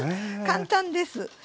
簡単です。